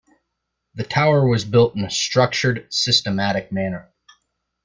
The tower was built in a structured, systematic manner.